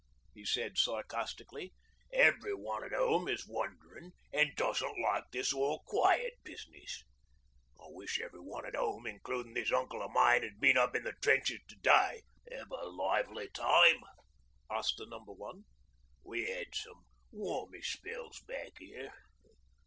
he said sarcastically. 'Everyone at 'ome is wonderin', an' doesn't like this "all quiet" business. I wish everyone at 'ome, including this uncle o' mine, 'ad been up in the trenches to day.' 'Have a lively time?' asked the Number One. 'We had some warmish spells back here.